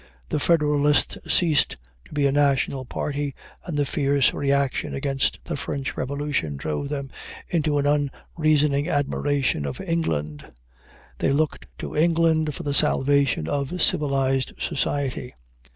The Federalists ceased to be a national party and the fierce reaction against the French revolution drove them into an unreasoning admiration of England. They looked to England for the salvation of civilized society.